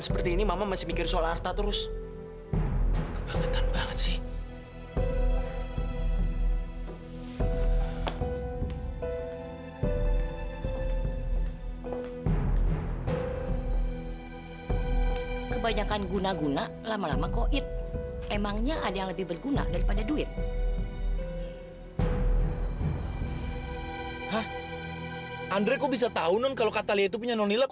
sampai jumpa di video selanjutnya